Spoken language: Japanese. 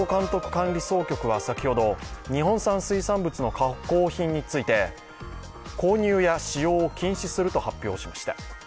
管理総局は先ほど日本産水産物の加工品について購入や使用を禁止すると発表しました。